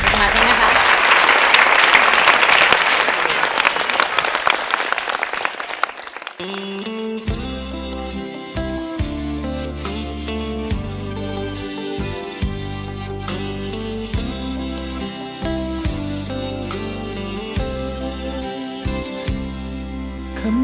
สมาธิพร้อมนะครับ